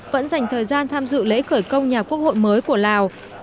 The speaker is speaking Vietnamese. vẫn dành thời gian tham dự lễ khởi công nhà quốc hội mới của lào